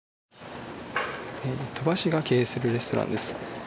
鳥羽氏が経営するレストランです。